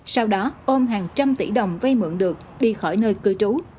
sau đó ôm hàng trăm tỷ đồng vay mượn được đi khỏi nơi cư trú